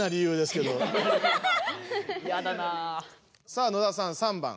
さあ野田さん３番。